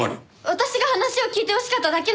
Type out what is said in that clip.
私が話を聞いてほしかっただけなの。